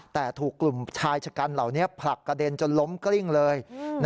แต่ถูกกลุ่มชายชะกันเหล่านี้ผลักกระเด็นจนล้มกลิ้งเลย